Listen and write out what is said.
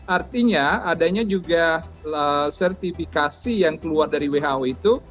artinya adanya juga sertifikasi yang keluar dari who itu